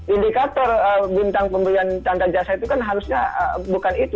indikator bintang pemberian tanda jasa itu kan harusnya bukan itu